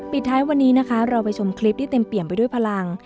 ท้ายวันนี้นะคะเราไปชมคลิปที่เต็มเปี่ยมไปด้วยพลัง